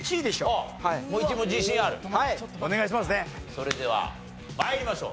それでは参りましょう。